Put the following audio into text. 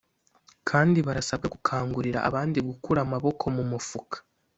kandi barasabwa gukangurira abandi gukura amaboko mu mufuka